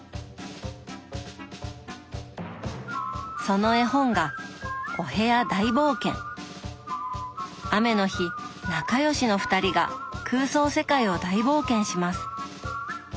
その絵本が雨の日仲良しの２人が空想世界を大冒険します。